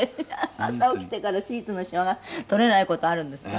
朝起きてからシーツのシワが取れない事あるんですか？